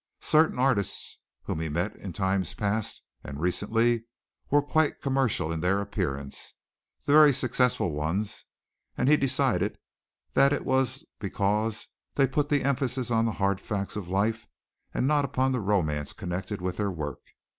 Certain artists whom he met in times past and recently, were quite commercial in their appearance the very successful ones and he decided that it was because they put the emphasis upon the hard facts of life and not upon the romance connected with their work.